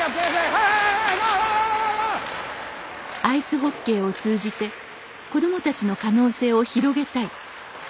アイスホッケーを通じて子どもたちの可能性を広げたい。